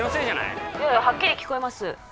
いやいやはっきり聞こえます